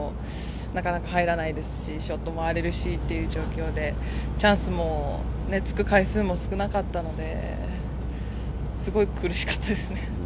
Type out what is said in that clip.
なかなか入らないですし、ショットも荒れるしっていう状況で、チャンスもつく回数も少なかったので、すごい苦しかったですね。